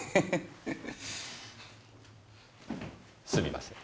すみません。